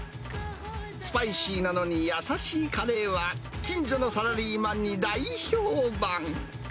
スパイシーなのに優しいカレーは、近所のサラリーマンに大評判。